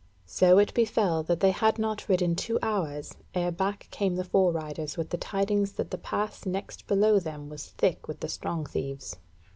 So it befell that they had not ridden two hours ere back came the fore riders with the tidings that the pass next below them was thick with the Strong thieves.